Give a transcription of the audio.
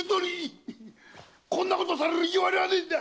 こんなことされる謂はねえんだ！